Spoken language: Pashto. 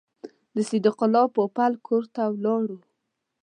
د صدیق الله پوپل کور ته ولاړو.